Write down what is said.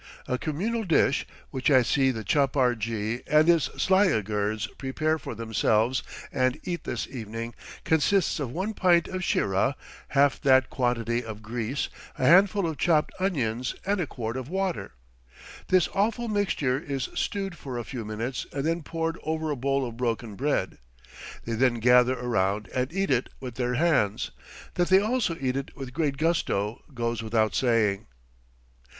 A communal dish, which I see the chapar jee and his sliagirds prepare for themselves and eat this evening, consists of one pint of sheerah, half that quantity of grease, a handful of chopped onions and a quart of water. This awful mixture is stewed for a few minutes and then poured over a bowl of broken bread; they then gather around and eat it with their hands that they also eat it with great gusto goes without saying.